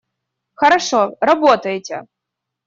Хорошо. Работайте!